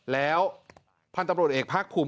แล้วพันธุ์ตำรวจเอกภาคภูมิ